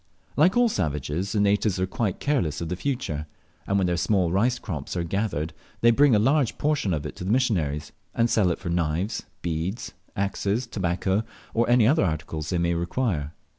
Like all savages the natives are quite careless of the future, and when their small rice crops are gathered they bring a large portion of it to the missionaries, and sell it for knives, beads, axes, tobacco, or any other articles they may require.